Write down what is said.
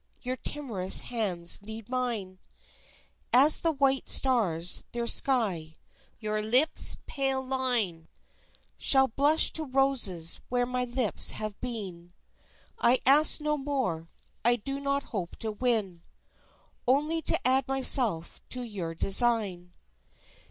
Your timorous hands need mine, As the white stars their sky, your lips' pale line Shall blush to roses where my lips have been. I ask no more. I do not hope to win Only to add myself to your design.